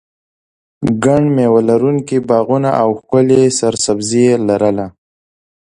ګڼ مېوه لرونکي باغونه او ښکلې سرسبزي یې لرله.